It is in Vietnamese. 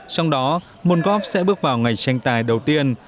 trong đó môn golf sẽ bước vào ngày tranh tài đầu tiên